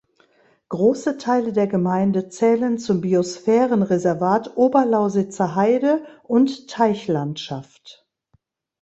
Große Teile der Gemeinde zählen zum Biosphärenreservat Oberlausitzer Heide- und Teichlandschaft.